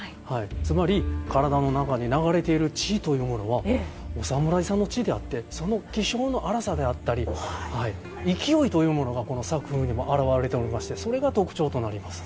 つまり体の中に流れている血というものはお侍さんの血であってその気性の荒さであったり勢いというものがこの作風にも表れておりましてそれが特徴となります。